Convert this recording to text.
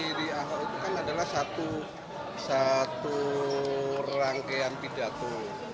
ya karena di ahok itu kan adalah satu rangkaian pidato